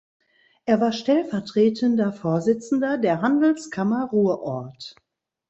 Er war stellvertretender Vorsitzender der Handelskammer Ruhrort.